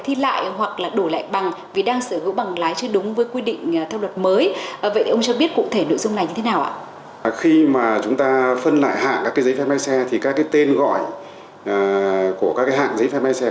thì vì sao chúng ta phải phân lại hạng cấp giấy phép lái xe